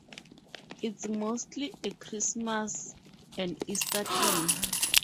It's mostly a Christmas and Easter thing.